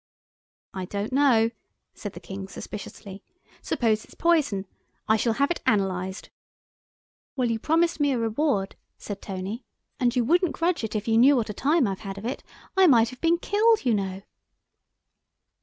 "I don't know," said the King, suspiciously, "suppose it's poison; I shall have it analysed." "Well, you promised me a reward," said Tony, "and you wouldn't grudge it if you knew what a time I've had of it. I might have been killed, you know."